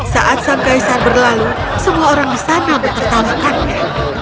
saat sang kaisar berlalu semua orang di sana mempertaruhkannya